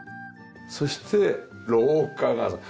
そして廊下が。